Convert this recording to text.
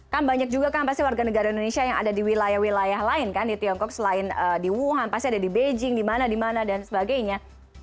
kan banyak juga kan pasti warga negara indonesia yang ada di wilayah wilayah lain kan di tiongkok selain di wuhan pasti ada di beijing di mana di mana dan sebagainya